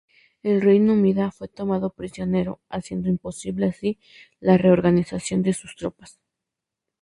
El rey númida fue tomado prisionero, haciendo imposible así la reorganización de sus tropas.